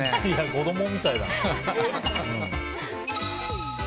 子供みたいだな。